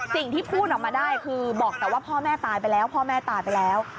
สิ่งที่พูดออกมาได้คือบอกแต่ว่าพ่อแม่ตายไปแล้ว